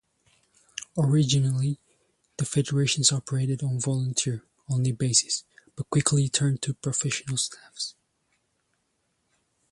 Originally, the federations operated on volunteer only basis, but quickly turned to professional staffs.